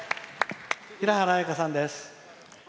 平原綾香さんです。